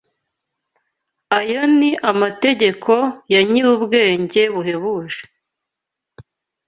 ayo ni amategeko ya Nyirubwenge buhebuje